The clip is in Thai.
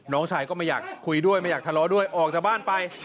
น้องชายก็ไม่อยากคุยด้วยไม่อยากทะเลาะด้วยออกจากบ้านไป